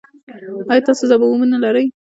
ایا تاسو ځوابونه لرئ؟